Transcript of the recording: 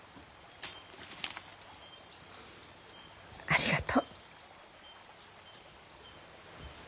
ありがとう。